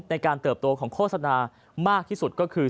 เติบโตของโฆษณามากที่สุดก็คือ